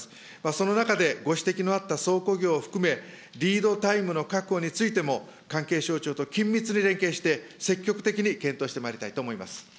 その中で、ご指摘のあった倉庫業を含め、リードタイムの確保についても関係省庁と緊密に連携して積極的に検討してまいりたいと思います。